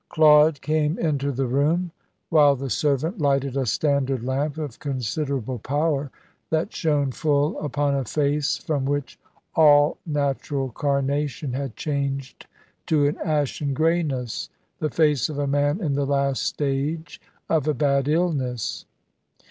Claude came into the room, while the servant lighted a standard lamp of considerable power, that shone full upon a face from which all natural carnation had changed to an ashen greyness, the face of a man in the last stage of a bad illness.